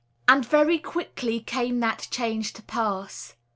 And very quickly came that change to pass.